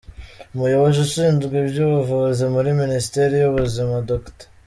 Umuyobozi ushinzwe iby’ubuvuzi muri Minisiteri y’Ubuzima Dr.